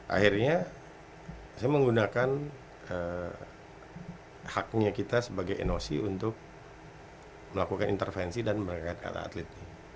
akhirnya saya menggunakan haknya kita sebagai noc untuk melakukan intervensi dan berangkat kata atletnya